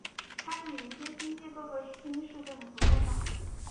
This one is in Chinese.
它是连接新界各个新市镇的主干道。